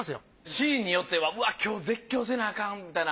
シーンによってはうわ今日絶叫せなあかんみたいな。